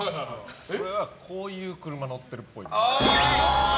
俺は、こういう車乗ってるっぽい。